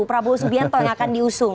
prabowo subianto yang akan diusung